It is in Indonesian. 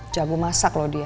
jabu masak loh dia